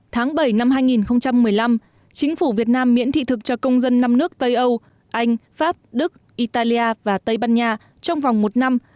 tháng bảy năm hai nghìn một mươi năm chính phủ việt nam miễn thị thực cho công dân năm nước tây âu anh pháp đức italia và tây ban nha trong vòng một năm